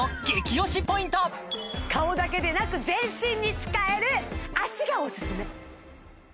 顔だけでなく全身に使える脚がオススメ